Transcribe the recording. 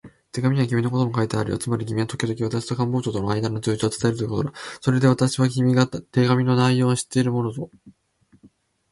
手紙には君のことも書いてあるよ。つまり君はときどき私と官房長とのあいだの通知を伝えるということだ。それで私は、君が手紙の内容を知っているものと